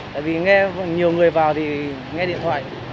tại vì nghe nhiều người vào thì nghe điện thoại